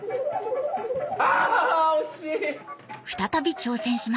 あ惜しい！